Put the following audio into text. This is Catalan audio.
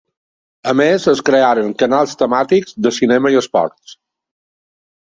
A més es crearen canals temàtics de cinema i esports.